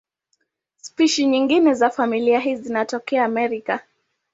Spishi nyingine za familia hii zinatokea Amerika.